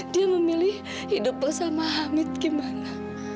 dia memilih hidup bersama hamid gimana